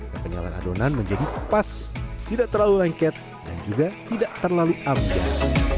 kekenyalan adonan menjadi pas tidak terlalu lengket dan juga tidak terlalu amda